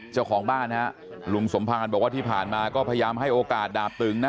เจ้าของบ้านฮะลุงสมภารบอกว่าที่ผ่านมาก็พยายามให้โอกาสดาบตึงนะ